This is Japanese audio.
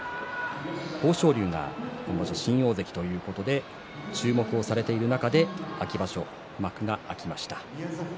豊昇龍が今場所新大関ということで注目をされている中で秋場所の幕が開きました。